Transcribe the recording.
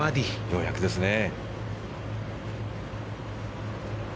ようやくですね。